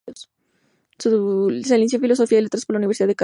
Se licenció en Filosofía y Letras por la Universidad de Cádiz.